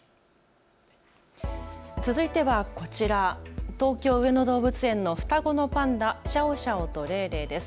続いてはこちら、東京上野動物園の双子のパンダ、シャオシャオとレイレイです。